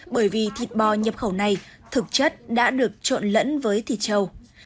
bởi vì thịt bò nhập khẩu này thực chất đã được trộn lẫn với thịt trâu